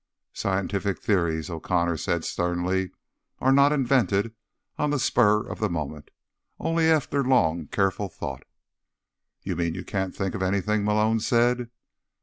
"Scientific theories," O'Connor said sternly, "are not invented on the spur of the moment. Only after long, careful thought." "You mean you can't think of anything," Malone said.